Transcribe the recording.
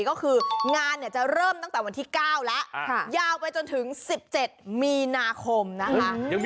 ก็คืองานจะเริ่มตั้งแต่วันที่๙แล้วยาวไปจนถึง๑๗มีนาคมนะคะ